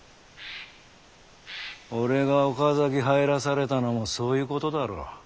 俺が岡崎入らされたのもそういうことだろう。